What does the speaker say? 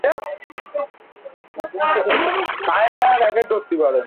এবার অনলাইনে আবেদন করার সুযোগ থাকায় অনেকেই ভালো কলেজে পড়ার সুযোগ পেয়েছে।